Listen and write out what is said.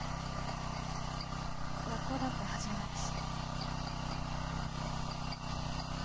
学校だって始まるし。